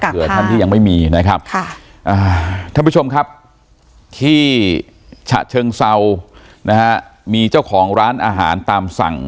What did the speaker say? เผื่อทั้งที่ไม่มีนะครับท่านผู้ชมที่ฉะเชิงเศร้ามีเจ้าของร้านอาหารตามสั่ง